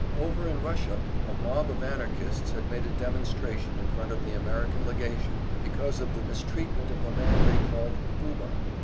Over in Russia a mob of Anarchists had made a demonstration in front of the American Legation, because of the mistreatment of a man they called "Guba."